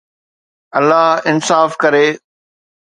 الله انصاف ڪري